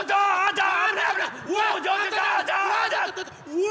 うわ！